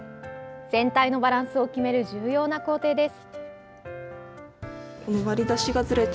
全体のバランスを決める重要な工程です。